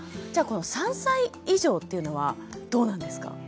じゃあこの３歳以上っていうのはどうなんですか？